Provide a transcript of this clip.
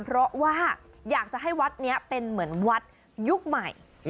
เพราะว่าอยากจะให้วัดนี้เป็นเหมือนวัดยุคใหม่